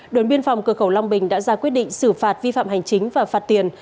đồn biên phòng cửa khẩu long bình đã ra quyết định xử phạt vi phạm hành chính và phạt tiền